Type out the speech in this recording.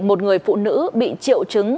một người phụ nữ bị triệu chứng